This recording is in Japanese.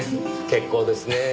結構ですねぇ。